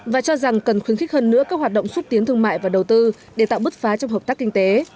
và cho rằng cần khuyến khích hơn nữa các hoạt động xúc tiến thương mại và đầu tư để tạo bứt phá trong hợp tác kinh tế